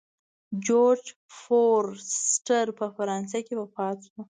جورج فورسټر په فرانسه کې وفات شو.